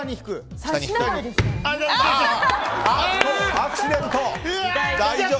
アクシデント！